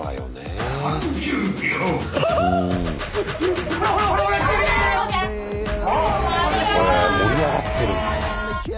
へえ盛り上がってる。